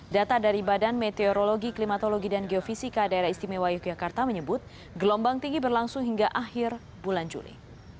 data dari badan meteorologi klimatologi dan geofisika daerah istimewa yogyakarta menyebut gelombang tinggi berlangsung hingga akhir bulan juli